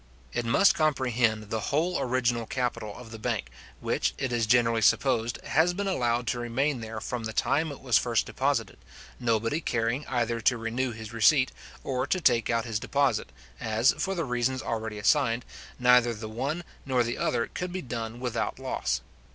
It must comprehend the whole original capital of the bank, which, it is generally supposed, has been allowed to remain there from the time it was first deposited, nobody caring either to renew his receipt, or to take out his deposit, as, for the reasons already assigned, neither the one nor the other could be done without loss.